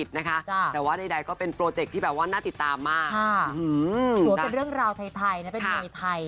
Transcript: โอ้โหจนเคฟต์คลังเขาให้นะคะ